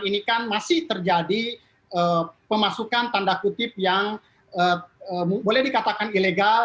ini kan masih terjadi pemasukan tanda kutip yang boleh dikatakan ilegal